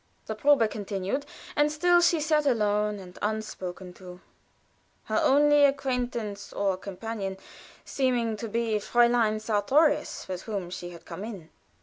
The probe continued, and still she sat alone and unspoken to, her only acquaintance or companion seeming to be Fräulein Sartorius, with whom she had come in.